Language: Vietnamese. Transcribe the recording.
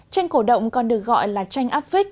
tranh cổ động còn được gọi là tranh áp vích